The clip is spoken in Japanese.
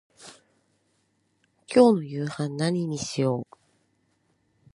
今日の夕飯何にしよう。